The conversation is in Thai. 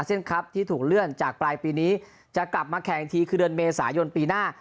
ครับที่ถูกเลื่อนจากปลายปีนี้จะกลับมาแข่งอีกทีคือเดือนเมษายนปีหน้า